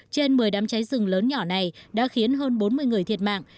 trên một mươi đám cháy rừng lớn nhỏ này đã khiến hơn bốn mươi người thiệt mạng